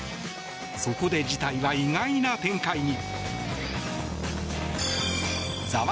そこで事態は意外な展開に。